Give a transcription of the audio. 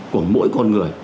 của mỗi con người